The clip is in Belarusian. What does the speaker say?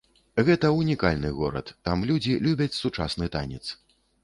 Гэта ўнікальны горад, там людзі любяць сучасны танец.